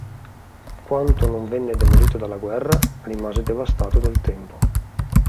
Quanto non venne demolito dalla guerra, rimase devastato dal tempo.